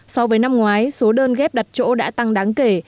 so với năm ngoái số đơn ghép đặt chỗ đã tăng đáng kể